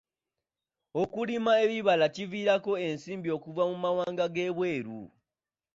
Okulima ebibala kiviirako ensimbi okuva mu mawanga g'ebweru.